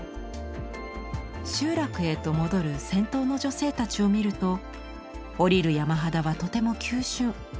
集落へと戻る先頭の女性たちを見ると下りる山肌はとても急しゅん。